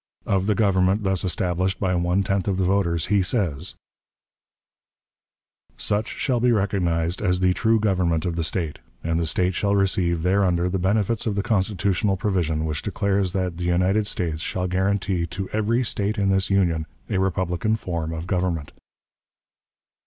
Of the government thus established by one tenth of the voters, he says: "Such shall be recognized as the true government of the State, and the State shall receive thereunder the benefits of the constitutional provision which declares that 'the United States shall guarantee to every State in this Union a republican form of government.'"